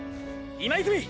今泉！